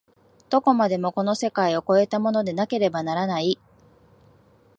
どこまでもこの世界を越えたものでなければならない。